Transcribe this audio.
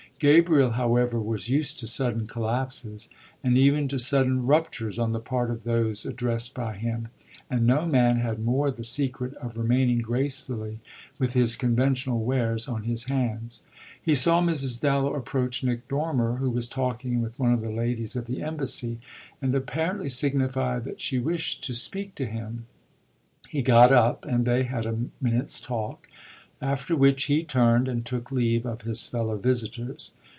Gabriel, however, was used to sudden collapses and even to sudden ruptures on the part of those addressed by him, and no man had more the secret of remaining gracefully with his conversational wares on his hands. He saw Mrs. Dallow approach Nick Dormer, who was talking with one of the ladies of the embassy, and apparently signify that she wished to speak to him. He got up and they had a minute's talk, after which he turned and took leave of his fellow visitors.